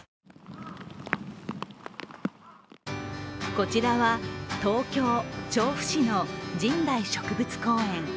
こちらは東京・調布市の神代植物公園。